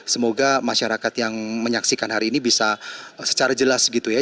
semoga masyarakat yang menyaksikan hari ini bisa secara jelas gitu ya